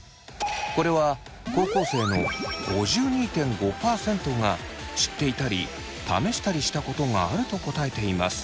これは高校生の５２．５％が知っていたり試したりしたことがあると答えています。